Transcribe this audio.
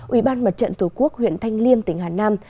ủy ban mặt trận tổ quốc huyện thanh liêm tỉnh hà nam